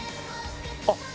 あっ！